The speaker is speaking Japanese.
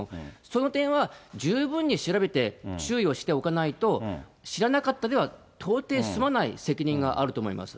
その点は十分に調べて、注意をしておかないと、知らなかったでは到底すまない責任があると思います。